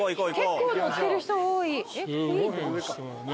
結構乗ってる人多い。